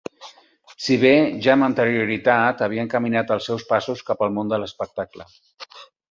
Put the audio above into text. Si bé ja amb anterioritat havia encaminat els seus passos cap al món de l'espectacle.